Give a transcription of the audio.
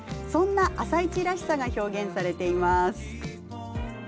そんな「あさイチ」らしさが表現されています。